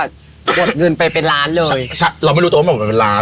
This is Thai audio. หมดเงินไปเป็นล้านเลยใช่เราไม่รู้ตัวว่าหมดเงินเป็นล้าน